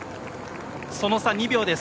その差２秒です。